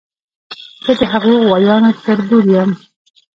زه د هغو غوایانو تربور یم.